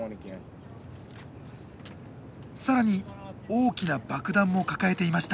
更に大きな爆弾も抱えていました。